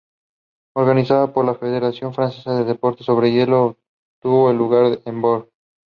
Organizada por la Federación Francesa de Deportes sobre Hielo, tuvo lugar en Burdeos.